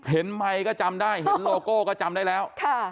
ไมค์ก็จำได้เห็นโลโก้ก็จำได้แล้ว